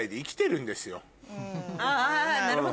なるほど。